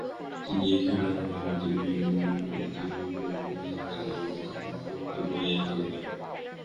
তিনি খেলা করেন, যেমন অতি পরাক্রান্ত রাজাও মাঝে মাঝে পুতুল লইয়া খেলা করেন।